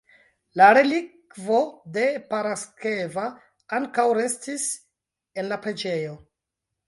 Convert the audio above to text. La relikvo de Paraskeva ankaŭ restis en la preĝejo.